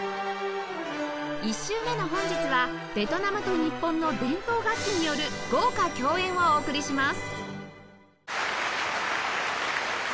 １週目の本日はベトナムと日本の伝統楽器による豪華共演をお送りします